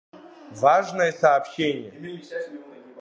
Важное сообшьчение!